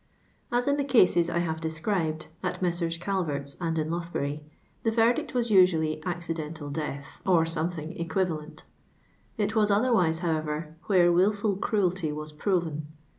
As in the cases I have described (at Messrs. CalvertV, and in Lothbury*, the tcrdict was usually " Accidenuil Dciith," or something etjui valent. It WHS otherwise, however, where wilful cruelty was proven.